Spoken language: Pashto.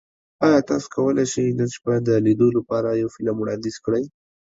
ایا تاسو کولی شئ نن شپه د لیدو لپاره یو فلم وړاندیز کړئ؟